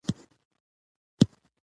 یخني په کراره شوه.